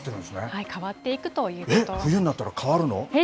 冬になったら変わるの？